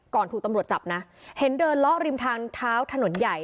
ถูกตำรวจจับนะเห็นเดินเลาะริมทางเท้าถนนใหญ่